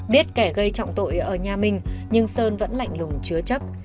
biết kẻ gây trọng tội ở nhà mình nhưng sơn vẫn lạnh lùng chứa chấp